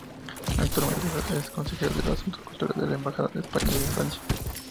Actualmente es Consejero de Asuntos Culturales en la Embajada de España en Francia.